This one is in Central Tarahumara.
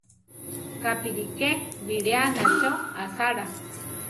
Jápi ríke biléana cho asála.